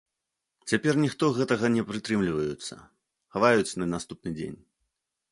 Цяпер ніхто гэтага не прытрымліваюцца, хаваюць на наступны дзень.